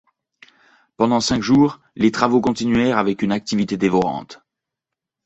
Pendant cinq jours, les travaux continuèrent avec une activité dévorante.